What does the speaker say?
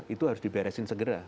itu harus diberesin segera